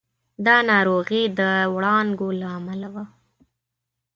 دا ناروغي د وړانګو له امله وه.